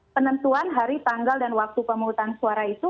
penentuan hari tanggal dan waktu pemungutan suara itu